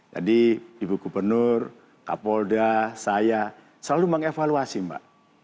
jadi ibu gubernur kak polda saya selalu mengevaluasi mbak